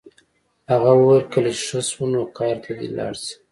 هغه وویل کله چې ښه شو نو کار ته دې لاړ شي